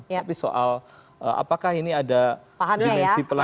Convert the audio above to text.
tapi soal apakah ini ada dimensi pelanggaran hukum atau hak asasi manusia